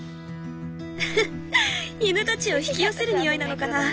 フフッ犬たちを引き寄せる匂いなのかな。